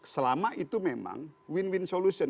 selama itu memang win win solution